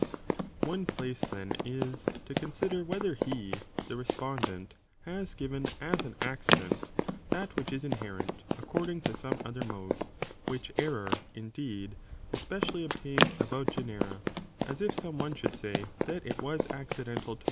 One place then is, to consider whether he (the 1st Topic; to respondent) has given as an accident, that which ΟΣ is inherent, according to some other mode; which 88 accident, error, indeed, especially obtains about genera, as kets eae if some one should say, that it was accidental to ther mode.